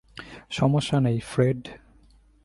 সমস্যা নেই, ফ্রেড।